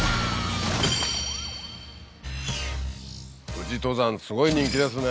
富士登山すごい人気ですね。